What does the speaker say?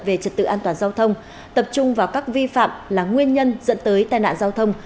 về trật tự an toàn giao thông tập trung vào các vi phạm là nguyên nhân dẫn tới tai nạn giao thông